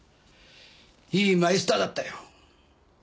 いいマイスターだったよ。